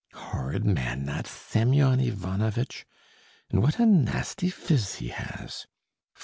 Horrid man that Semyon Ivanovitch! And what a nasty phiz he has!...